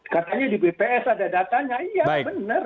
katanya di bps ada datanya iya benar